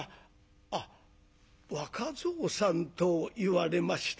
あっ若蔵さんといわれましたな。